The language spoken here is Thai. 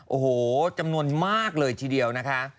โอ้โหจำนวนมากเลยทีเดียวนะคะ